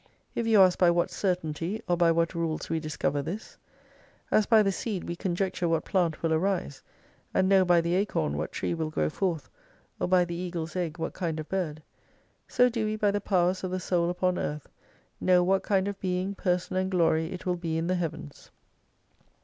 If you ask by what certainty, or by what rules we discover this ? As by the seed we conjecture what plant will arise, and know by the acorn what tree will grow forth, or by the eagle's egg what kind of bird ; so do we by the powers of the soul upon Earth, know what kind of Being, Person, and Glory it will be in the Heavens.